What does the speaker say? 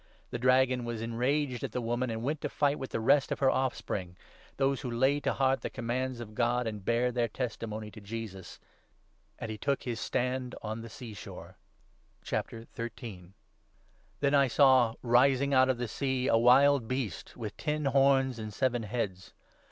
The Dragon was 17 enraged at the woman, and went to fight with the rest of her off spring— those who lay to heart the commands of God and bear their testimony to Jesus ; and he took his stand on the sea shore. Then I saw, ' rising out of the sea, a wild Beast with ten i horns ' and seven heads.